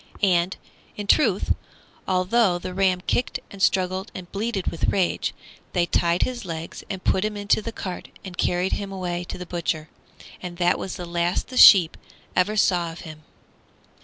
And, in truth, although the ram kicked and struggled and bleated with rage, they tied his legs and put him into the cart and carried him away to the butcher. And that was the last the sheep ever saw of him.